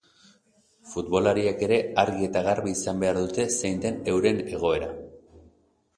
Futbolariek ere argi eta garbi izan behar dute zein den euren egoera.